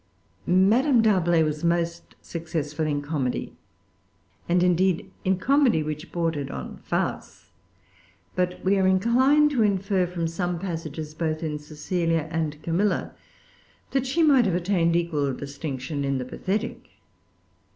Madame D'Arblay was most successful in comedy, and indeed in comedy which bordered on farce. But we are inclined to infer from some passages, both in Cecilia and Camilla, that she might have attained equal distinction in the pathetic.